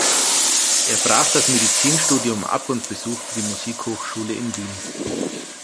Er brach das Medizinstudium ab und besuchte die Musikhochschule in Wien.